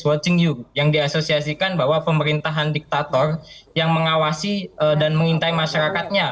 watching you yang diasosiasikan bahwa pemerintahan diktator yang mengawasi dan mengintai masyarakatnya